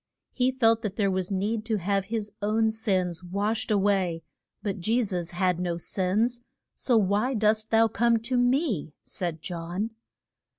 He felt that there was need to have his own sins washed a way, but Je sus had no sins. So why dost thou come to me? said John.